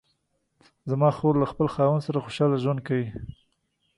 زما خور له خپل خاوند سره خوشحاله ژوند کوي